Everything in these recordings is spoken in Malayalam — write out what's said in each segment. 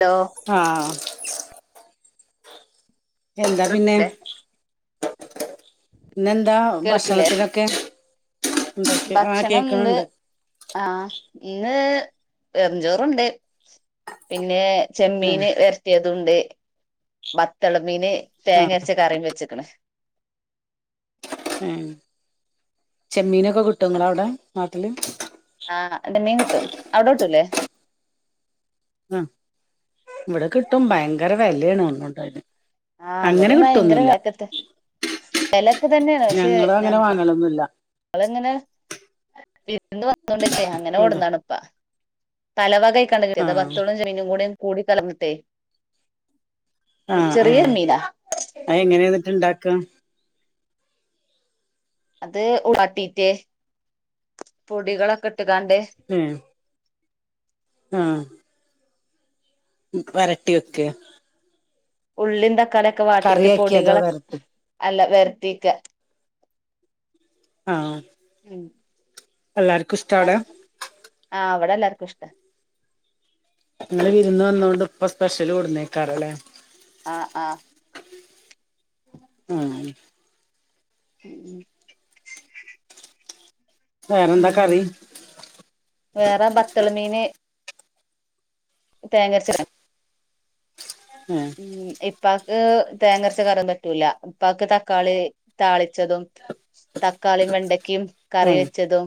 ഹലോ ആഹ എന്താ പിന്നെ കേൾക്കില്ലേ ഇന്നെന്താ ഭക്ഷണത്തിനൊക്കെ? ഉണ്ടാക്കി ആ ഭക്ഷണംണ്ട് കേക്കണണ്ട് ആ ഇന്ന് വെറുംചോറുണ്ട്, പിന്നേ ആഹ് ചെമ്മീന് ഉലർത്തിയത്. അതുണ്ട് ബത്തള്മീന്. ആഹ് തേങ്ങയരച്ച കറിയും വെച്ചക്കണ്. ഉം ചെമ്മീനോ? ഒക്കെ കിട്ട്വോങ്ങളവിടെ നാ ഹലോ ആ ണ്ട് മീൻ കിട്ടും അവിടൊട്ടൂലെ? ആ ഇവിടെ കിട്ടും ഭയങ്കര വെലയാണ്. [unintelligible] ആ അവിടെയും ഭയങ്കര വെലക്കത്ത വെലയൊക്കെതന്നെയാണ് പക്ഷെ ഞങ്ങള് അങ്ങനെ വാങ്ങലൊന്നുല്ല അതെങ്ങനെ [unintelligible] [unintelligible] അങ്ങനെ കൊടുന്നാണിപ്പ തലവാകെ [unintelligible] ആഹ് പത്തോളം [unintelligible] കൂടേം കൂടിക്കലർന്നിട്ടേ. ആ ആ അ എങ്ങനെയാന്നിട്ടുണ്ടാക്വ അത് ഉള്ളി വാട്ടിട്ടേ പൊടികളൊക്കെ ഇട്ടുകാണ്ടേ ആ വരട്ടിയൊക്കെയൊ? ഉള്ളിന്താ? തലയൊക്കെ വാട്ടീട്ട് അതോ പൊടികള്, വരട്ടി അല്ല, വർത്തിക്ക. ആ ഉം എല്ലാർക്കും ഇഷ്ടവിടെ? വിടെ എല്ലാർക്കും ഇഷ്ടാ. ങ്ങള് വിരുന്ന് വന്നൊണ്ട് ഇപ്പ സ്പെഷ്യല് കൊടുന്നേക്കാറല്ലേ? ആ ആ ആ ഉം ഉം ഉ വേറെന്താ കറി വേറെ ബത്തള് മീന്. തേങ്ങയരച്ചതാ? ഏഹ് [inaudible] ഉപ്പാക് തേങ്ങരച്ച കറിയൊന്നും പറ്റൂല ഉപ്പാക്ക് തക്കാളി താളിച്ചതും തക്കാളിയും വെണ്ടക്കയും കറി ഉം വെച്ചതും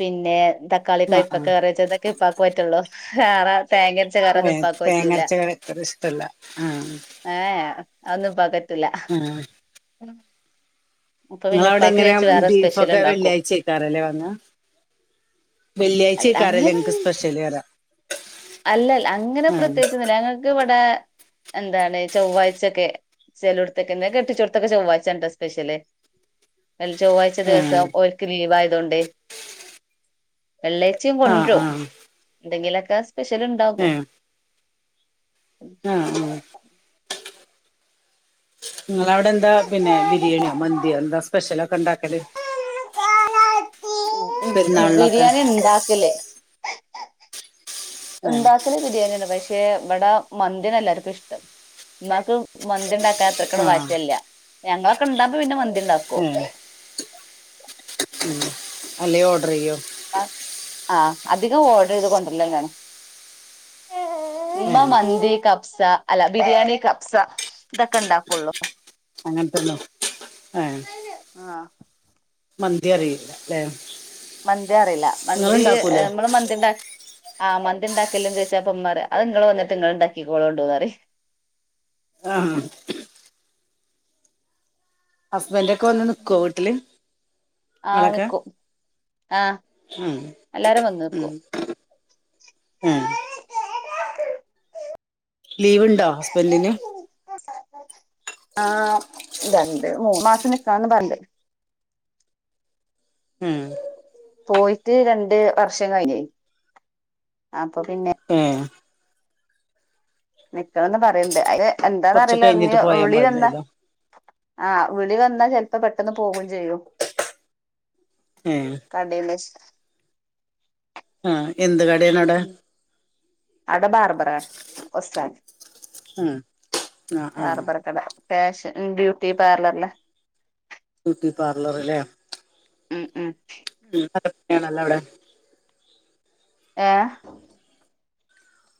പിന്നെ തക്കാളി ആഹ് കയപ്പക്ക കറിവെച്ചതൊക്കെ ഉപ്പാക്ക് പറ്റുള്ളൂ [unintelligible] തേങ്ങരച്ച കറി ഒന്നും ആഹ് ഉപ്പാക്ക് പറ്റൂല തേങ്ങരച്ച [unintelligible] അതൊന്ന് പക ല്ല [inaudible] ഇങ്ങളെ അവിടെ എങ്ങന സ്പെഷ്യൽ ബീഫൊക്കെ ഉണ്ടാക്കും വെള്ളിയാഴ്ചക്ക വാങ്ങാ. അല്ല വെള്ളിയാഴ്ചക്കാറല്ലേ അങ്ങനെ എങ്ങക്ക് സ്പെഷ്യല് വരാം അല്ല അങ്ങനെ പ്രത്യേകിചൊന്നുല്ല ഞങ്ങക്ക് ടെ എന്താണ് ചൊവ്വാഴ്ചൊക്കെ ചേലെടതൊക്കെ എന്ത കെട്ടിച്ചെടുത്തൊക്കെ ചൊവ്വാഴ്ച ഉണ്ടോ സ്പെഷ്യല് ചൊവ്വാഴ്ച ആഹ് ദിവസം ഓലക്ക് ലീവായി അതുകൊണ്ട് വെള്ളാഴ്ച്ചയും ആഹ് കൊണ്ടുരും ആഹ് എന്തെങ്കില [inaudible] സ്പെഷ്യലുണ്ടാകും ആഹ ആ നിങ്ങള അവിടെ എന്താ പിന്നെ ബിരിയാണിയോ മന്തിയോ എന്താ സ്പെഷ്യൽക്ക ണ്ടാക്കല് ബിരിയാണി ഇണ്ടാക്കല്ലേ ഏഹ് ഉണ്ടാക്കല് ബിരിയാണ്യാണ് പക്ഷെ പക്ഷേ ഇബടെ മന്ത്യാണ് എ ല്ലാവർക്കും ഇഷ്ടം. ഉമ്മാക്ക് മന്തി ഇണ്ട [unintelligible] അത്രക്കട് ആഹ് വാശ്യല്ല ഞങ്ങളൊക്കെ ഇണ്ടാവുമ്പോ പിന്നെ മന്തി ഇണ്ടാക്കും. മ് അല്ലേ ഓർഡർ ചെയ്യോ? ആഹ് അധികം ഓഡർ ചെയ്ത് കൊണ്ടരല്ല് തന്നെയാണ്. ഉമ്മ ഏഹ് മന്തി, കപ് സ അല്ല ബിരിയാണി, കപ്സ ഇതക്കെ ഇണ്ടാക്കുള്ളൂ. അങ്ങനത്തന്നെ. ആഹ് മന്തി അറിയില്ല ല്ലേ? മന്തി അറിയില്ല മന്തി നിങ്ങളുണ്ടാക്കൂലേ നമ്മള് മന്തി ഇണ്ടാ ആഹ് മന്തി ഇണ്ടാക്കല്ലേന്ന് ചോദിച്ചപ്പോ ഉമ്മ പറയ അത് ഇങ്ങള് വന്നിട്ട് ഇങ്ങള് ഇണ്ടാക്കിക്കോളോണ്ടുന്നറയും. ആഹ് ഹസ്ബന്റ് ഇക്ക വന്ന് നിക്കോ വീട്ടില് ആ ഇങ്ങളെക്കെ നിക്കും ആ മ് എല്ലാരും വന്ന് മ് നിക്കും ആഹ് ലീവ്ണ്ടോ ഹസ്ബൻന്റിന്? ആ രണ്ട് മൂന്ന് മാസം നിക്കാന്ന് പറിണ്ട്. മ് പോയിട്ട് രണ്ട് വർഷം കഴിഞ്ഞെ, [unintelligible] ഏഹ് നിക്കണംന്ന് പറയ്ണ്ട് അയ്ല് എന്താന്ന് കൊറച്ച് അറിയില്ല ഇഞ്ഞി കഴിഞ്ഞിട്ട് പോയാൻ വുളി വന്നാ പറഞ്ഞല്ലോ ആഹ് വുളി വന്നാ ചെല് പ്പൊം പെട്ടെന്ന് പോകും ചെയ്യും ഏ കടേന്നശ് ആഹ് ഔടെ ബർബറാണ് ഒസ്സാൻ ഉം ആ ആ ബാർബറ് കട ഫാഷൻ ബ്യൂട്ടി പാർലർല ബ്യൂട്ടി പാർലറ്ലെ ഉം ഉം ഉം അത ആണല്ലോ ഔടെ ഏഹ്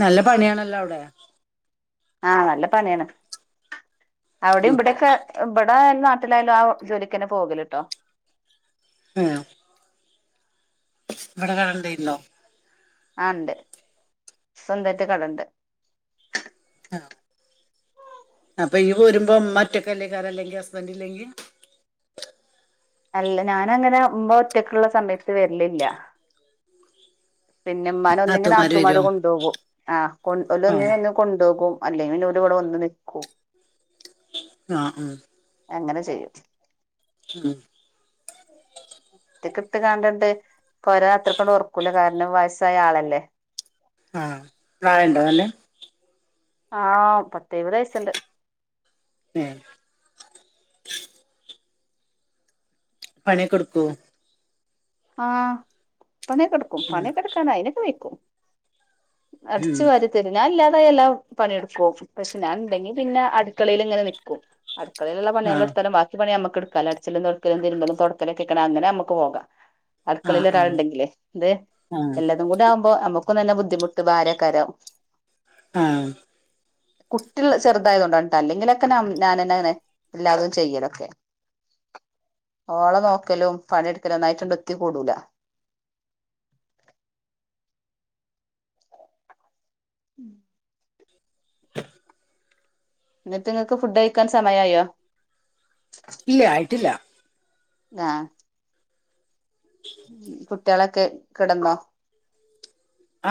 നല്ല പണിയാണല്ലോ ഔടെ ആഹ് നല്ല പണ്യാണ് അവിടിം ഉം ഇബെട്യെക്കെ ലായാലും നാട്ടിലായാലും ആ ജോലിക്കന്നെ പോകല്ട്ടോ ഉം ഇവിടെ കാടണ്ടേന്നോ? ആണ്ട് സ്വന്തായിട്ട് കടണ്ട് ആഹ് അപ്പൊ യ്യ് പോരുമ്പോ മ്മൊറ്റക്കല്ലേക്കാരം അല്ലെങ്കി ഹസ്ബന്റില്ലെങ്കി അല്ല ഞാന് അങ്ങനെ മ്മൊറ്റക്ക്‌ള്ള സമയത്ത് വർലില്ല പിന്നെമ്മാനെ ഒന്നെങ്കി നാത്തൂമാര് നാത്തൂമ്മാര് വരുവോ കൊണ്ടോകും ആഹ് ആ ഓലെങ്ങനേലും കൊണ്ടോകും അല്ലെങ്കില് ഓല് ഇവടെ വന്ന് നിക്കും ആഹ് അങ്ങനെ ചെയ്യും ഉം കിട്ട് കാണ്ട്ട്ട് പൊരാ അത്രക്കണ്ട് ഒറക്കൂല കാരണം വയസ്സായ ആളല്ലേ ആഹ് പ്രായണ്ടോ ന്നല്ല ആഹ് പത്ത എഴ്പത് വയസ്റ്റ്ണ്ട് എ പണി കൊട്ക്കോ ആഹ് പണയൊകിടക്കും ഉം പണി എട്ക്കാൻ അയിനൊക്കെ വെയ്ക്കും ഉം അടച്ച് വരി തരും ഞൻ ഇല്ലാ ത എല്ലാം പണിയെടുക്കും പക്ഷെ ഞാൻ ഉണ്ടെങ്കിൽ പിന്നെ അടുക്കളൽ ഇങ്ങനെ നിക്കും അടുക്കളെ ള്ള്ള ആഹ് പണികളെട്ത്താലും ബിണി നമക്ക് ടുക്കാ അടിച്ചലും തൊടക്കലും തിരുമ്പലും തുടക്കലൊെക്കണ അങ്ങനെ നമുക്ക് പോകാം ആഹ് അടുക്കളേല് ഒരാൾ ആഹ് ഇണ്ടെങ്കിലേ എന്തെ ആഹ് എല്ലതും കൂടെ ആവുമ്പോ നമക്ക് തന്നെ ബുദ്ധിമുട്ട് വാരെക്കാരം ആഹ് കുട്ട്യേള് ചെറുതായതൊണ്ടാണ്‌ട്ടൊ അല്ലെങ്കിലൊക്കെ ഞാനന്നെ അങ്ങനെ എല്ലാതും ചെയ്യലൊക്കെ ഓള നോക്കലും പണി ഇടുക്കലും ഒന്നായിട്ടണ്ട് ത്തി കൊടൂല ഉം എന്നിട്ട് ഇങ്ങക്ക് ഫുഡ് കഴിക്കാൻ സമയായോ ഇല്ല ആയിട്ടില്ല ആഹ് കുട്ട്യേളൊക്കെ കെടന്നോ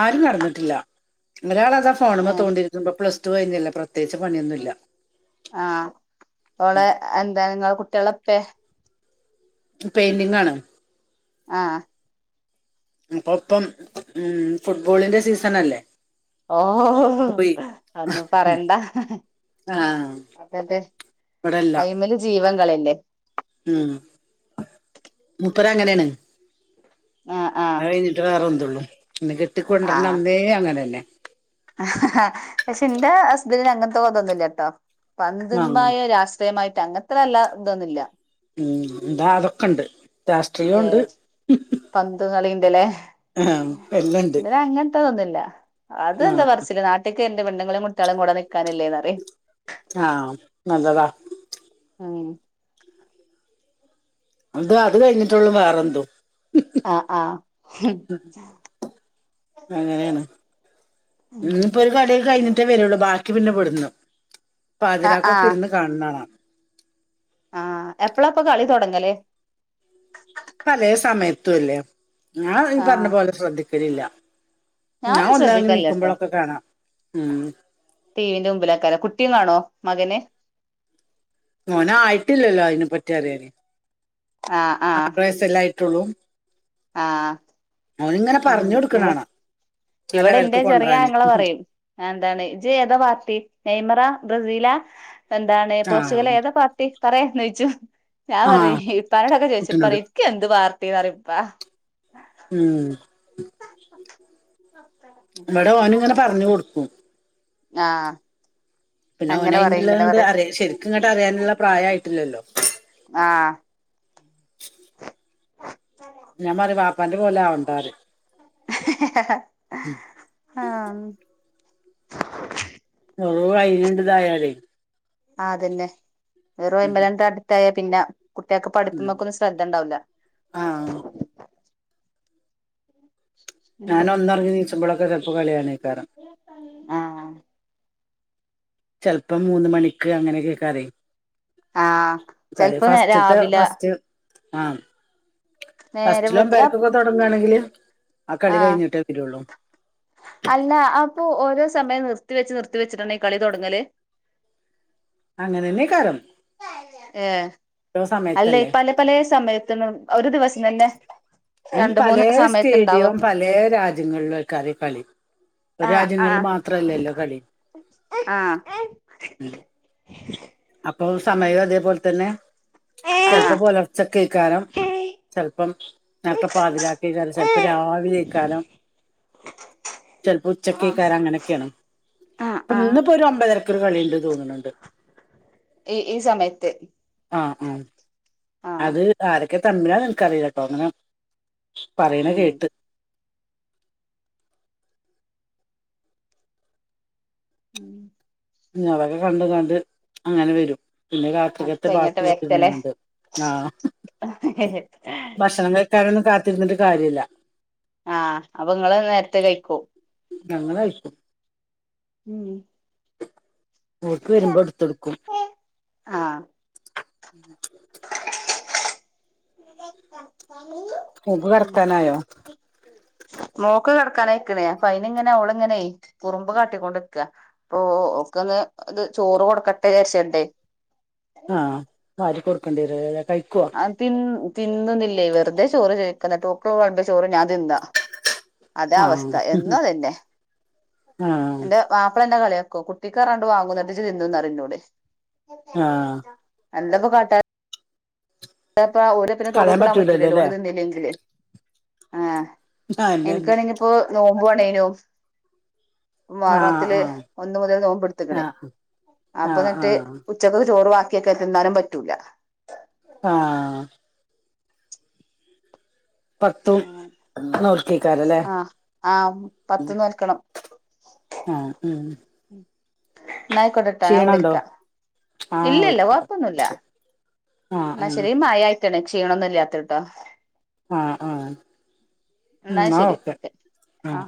ആരും നടന്നിട്ട്ല്ല ഇന്നൊരാള് ഫോണ്മെ ഏഹ് തോണ്ടി [unintelligible] പ്ലസ് ത്തു കഴിഞ്ഞാല്ലൊ പ്രത്യേയിച്ച് പണിയൊന്നുല്ല ആഹ് ഓളെ എന്താ ഇങ്ങളെ കുട്ട് തെളപ്പേ പെയിന്റിങ്ങാണ് ആഹ അപ്പപ്പം ഉ ഫുട്ബോളിന്റെ സീസൺ അല്ലേ ഓ പോയി അന്നും പറയണ്ട ആഹ് അതെ ഇവിടെല്ല അമല് ജീവൻ െല്ലേ ഉം മുപ്പര അങ്ങനെയാണ് ആഹ് ആഹ് അത് കഴിഞ്ഞിട്ട് വറെന്തള്ളൂ ഉ ഇന്ന് കെട്ടിക്കൊണ്ടിര ആഹ് അന്നേ അങ്ങനെയല്ലെ പക്ഷെ എന്റെ ഹസ്ബൻഡന് അങ്ങനത്തെ ബതംൊന്നുമല്ലാട്ടോ വാങ്ങും പന്ത്തിന്മായ രാ്ട്രീയമായി അങ്ങനത്തെ അല്ല ഇതൊന്നില്ല മ് ഇതാ അതൊക്കിണ്ട് പന്ത കളീണ്ടല്ലേ ആഹ് എല്ലണ്ട് ഇവിടെ അങ്ങനത്തെതൊന്നുല്ല ആഹ് അതെന്താ പറച്ചില് നാട്ടി എന്റെ പെണ്ണിന്റേം കുട്ടികൾടേം കൂടെ നിൽക്കാനല്ലേന്ന് ആഹ് നല്ലതാ മ് എന്തുവാ അത് കഴിഞ്ഞിട്ടുള്ളും വേറെന്തും ആഹ് ആഹ് അങ്ങനെയാണ് ഉം ഇന്നിപ്പൊ ഒരു കളീം കഴിഞ്ഞി ഇട്ടേ വരുള്ളൂ ബാക്കി പിന്നെവിടുന്നു ആഹ് പാതിരാക്കൊക്കെ ആഹ് ഇരുന്ന് കാണുന്നകാണാം ആഹ് എപ്പളാപ്പ കളി തൊടങ്ങല് പലയ സമയത്തും അല്ലേ ഞാൻ നീ പറഞ്ഞ ആഹ് പോലെ ശ്രദ്ധിക്കും വരില്ല ഞാൻ ഞാനും ഒന്നായി ശ്രദ്ധിക്കലില്ലട്ടോ നീക്കുമ്പോഴൊക്കെ കാണാം മ് ടി വിന്റെ മുമ്പിലാക്കാന് കുട്ടികളാണോ മകന് മോൻ ആയിട്ടില്ലല്ലോ അതിനെ പറ്റി അറിയില്ല ആഹ് ആഹ് ആറ് വയസല്ലേ പറ്റുള്ളൂ ആഹ് മ് ഇവ കൊടുക്കണാണ് ആ ഇവിടെ എന്റെ ലെവൽക്ക് ചെറിയ കൊണ്ടുവരാന് അങ്ങളെ പറയും എന്താണ് ഇജ്ജ് ഏതാ പാർട്ടി നെയ്മറ ബ്രസീല എന്താണ് ആ പോർച്ചുഗൽ ഏതാ പാർട്ടി പറയാ നയിച്ചു ഞാൻ ആ പറയും ഇപ്പാടൊക്കെ ചോയിച്ച കുട്ടനോട് പറയും നിക്ക് എന്ത് പാർട്ടീന്ന് പറയുംപ്പാ ഉം ഇവിടെ ഓന് ഇങ്ങനെ പറഞ്ഞു കൊടുക്കും ആഹ് പിന്നെ അങ്ങനെ പറയും ഓനൈനുള്ളത് ഇങ്ങനെ കൊണ്ട് പറയും അറിയ ശരിക്കും ഇങ്ങോട്ട് അറിയാനുള്ള പ്രായായിട്ടില്ലല്ലോ. ആഹ് [unintelligible] ഞാൻ പറയും വാപ്പാന്റെ പോലെ ആവും. [unintelligible] ആഹ് വൈനിണ്ടതായാലേ. ആതെന്നെ വെറും ഓയിൽ മെന്റ്. [unintelligible] പിന്നെ കുട്ടികൾക്ക് ഉം പഠിക്കുമ്പോ ഒക്കെയൊന്ന് ശ്രദ്ധണ്ടാവില്ല. ആഹ് ഞാൻ ഒന്നുറങ്ങി എണീച്ചപ്പോളോ. ഇപ്പോ ചെലപ്പോ കളിയേനെ. കാരം ആഹ് ചിലപ്പം മൂന്ന് മണിക്ക് അങ്ങനെയൊക്കെ കരയും. ആഹ് ചിലപ്പോ നേ രാവിലെ. ഫസ്റ്റ് ആഹ് നേരം ഫസ്റ്റിലോ വെളുത്തിട്ട് പരക്കൊക്കെ തുടങ്ങുകവാണെങ്കില്. ആഹ് അല്ല അപ്പൊ ഓരോ. സമയം നിർത്തി വെച്ച് നിർത്തി വെച്ചിട്ടുണ്ടേ കളി തുടങ്ങല്. അങ്ങനെ തന്നെ ഈ കാലം. ഏഹ് അല്ല സമയത്തല്ലേ പലപല സമയത്തിനും ഒരുദിവസം തന്നെ. ഞാൻ രണ്ട് പല മൂന്ന് സമയത്തുണ്ടാവും സ്റ്റേഡിയം പല രാജ്യങ്ങളിലെ [unintelligible] കളി ഒരു ആ ആ രാജ്യങ്ങളിൽ മാത്രല്ലല്ലോ കളി. ആ അപ്പൊ സമയം അതേപോലെ തന്നെ ചിലപ്പോ പുലർച്ചയ്ക്ക്. കാരം ചെലപ്പം. നേരത്തെ പാതിരാത്രിക്കാലും ചിലപ്പോ രാവിലെ ഈക്കാരം ചിലപ്പോ ആ ഉച്ചക്ക്ക്കാരം അങ്ങനെയൊക്കെയാണ്. ആ ആ ഇപ്പം ആ ഇന്നിപ്പോ ഒരു ഒമ്പതരയ്ക്ക് കളിയുണ്ട് തോന്നുന്നുണ്ട്. ഈ ഈ സമയത്തെ ആഹ് ആഹ് അത് ആരെക്ക ഒക്കെ [unintelligible] എനിക്കറിയില്ല കേട്ടോ അങ്ങനെ. പറയണ ഉം കേട്ട് ഉം തൊക്കെ കണ്ട കണ്ട് അങ്ങനെ വരും പിന്നെ അത് കാത്തികത്തെ കഴിഞ്ഞിട്ട് ബാക്കി വരട്ടല്ലേ വിടുന്നണ്ട് ആ ഭക്ഷണം കഴക്കറൊന്ന് കാ രന്നിട്ട് കാര്യില്ല ആഹ് അപ്പൊ നിങ്ങള്െ നേരത്തെ കഴിക്കോ ഞങ്ങാഴശു ഉം ൂട്ട വരുമ്പോ എടുത്ത്ടുക്കും ആ ഉം എ വർത്താനായോ മോക്ക് കിടക്കാനൻായിക്കണേ അപ്പൊ അയിനി ഇങ്ങനെ അവള ഇങ്ങനെയ കുറുമ്പ് കാട്ടിക്കൊണ്ട്ിക്ക അപ്പൊ ക്കന്ന് ഇത് ചോറ് കൊടുക്കട്ടെ വിചരിച്ചണ്ടേ ആഹ കണ്ട രല്ല ആതിന്ന തിന്നുന്നില്ലേ വെറുതെ ചോറ് ചോദിക്കുന്ന ടോക്കള കുമമ്പോ ചോറ് ഞാൻ തിന്നാ അത ആഹ് അവസ്ഥ എന്നും അതന്നെ ആഹ് എറെ മാപ്പിള എന്റെ കളിയ കുട്ടിക്കാറാണ്ട് വാങ്ങ എന്നട്ട തിന്നന്നറിഞ്ഞൂടെ ആഹ എന്താപ്പൊ കാട്ടാ അ് രോ പിന്നെ കളയാൻ തടൂടാൻ പറ്റൂോ പറ്റൂലല്ലോ ലോ അല്ലേ നിന്നില്ലെങ്കില് ആഹ ആന്നെന്നെ എനിക്കാണെങ്കി ഇപ്പോൊ നോ ണൈനോ ആഹ് മറണത്തില് ആഹ് ഒന്ന മുതൽ നോമ്പടുത്തക്കണേ ആഹ് അപ്പൊ ആഹ് എന്നിട്ട് ആഹ് ഉച്ചക്ക് ചോറ്വാി ക്കെരൻ പറ്റൂല ആഹ പത്തും നൂർക്കേക്കാരല്ലേ ആ ആ ആഹ പത്ത്ന്ന് നൽക്കണം ആഹ ഉം നായിക്കൊണ്ടിട്ട ന ക്ഷീണണ്ടോ വിളിക്ക ആഹ് ഇല്ലല്ല ആയിക്കോട്ടെ കുഴപ്പൊന്നുമില്ല ആഹ് എന്ന ആഹ് ശരി ആ ചെയക്ഷീണന്നല്ലാത്തട്ടോ ആഹ് ആഹ് എന്നാൽ ശരി ഓക്കെ ആഹ് ആഹ